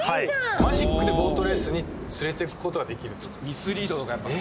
マジックでボートレースに連れてくことができるってことですかえっ！？